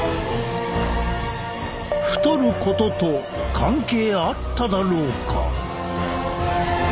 太ることと関係あっただろうか？